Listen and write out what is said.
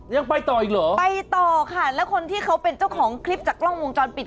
ยังไปต่ออีกเหรอไปต่อค่ะแล้วคนที่เขาเป็นเจ้าของคลิปจากกล้องวงจรปิด